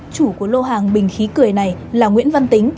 chủ của lô hàng bình khí cười này là nguyễn văn tính